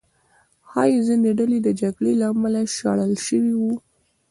ښایي ځینې ډلې د جګړې له امله شړل شوي وو.